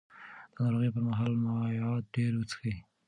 د ناروغۍ پر مهال مایعات ډېر وڅښئ.